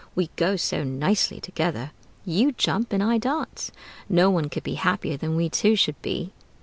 We go so nicely together? You jump and I dance! No one could be happier than we two should be."